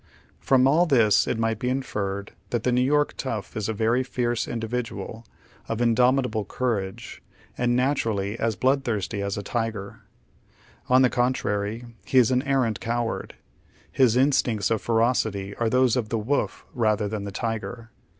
From all this it might be inferred that the TTew York tough is a veiy fiei'ce individual, of indomitable courage and naturally as blood thirsty as a tiger. On the contrary lie is an arrant coward. His instincts of ferocity ai'e those of the wolf rather than the tiger.